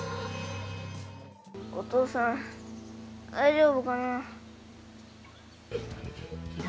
お父さん、大丈夫かな。